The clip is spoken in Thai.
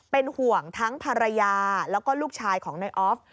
เป็นห่วงทั้งภรรยาแล้วก็ลูกชายของนายออฟ